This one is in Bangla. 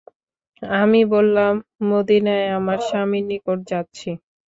আমি বললাম, মদীনায় আমার স্বামীর নিকট যাচ্ছি।